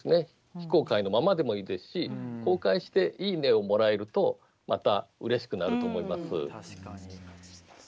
非公開のままでもいいですし公開して「いいね」をもらえるとまたうれしくなると思います。